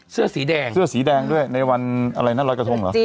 เสื้อสีแดงเสื้อสีแดงด้วยในวันอะไรนะรอยกระทงเหรอ